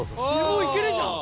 もういけるじゃん。